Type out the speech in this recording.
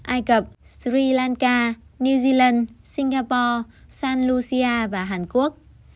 ai cập sri lanka new zealand singapore san lucia và hàn quốc